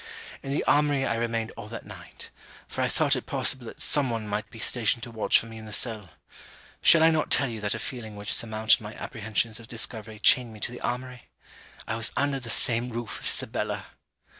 In the armoury I remained all that night; for I thought it possible that someone might be stationed to watch for me in the cell. Shall I not tell you that a feeling which surmounted my apprehensions of discovery chained me to the armoury? I was under the same roof with Sibella!